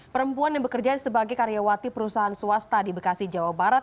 perempuan yang bekerja sebagai karyawati perusahaan swasta di bekasi jawa barat